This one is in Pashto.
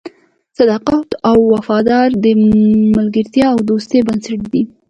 صداقت او وفاداري د ملګرتیا او دوستۍ بنسټ دی.